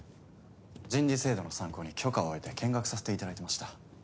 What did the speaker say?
人事制度の参考に許可を得て見学させていただいてました。